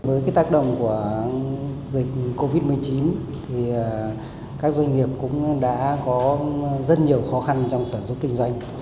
với tác động của dịch covid một mươi chín thì các doanh nghiệp cũng đã có rất nhiều khó khăn trong sản xuất kinh doanh